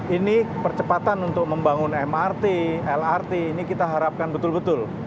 ini percepatan untuk membangun mrt lrt ini kita harapkan betul betul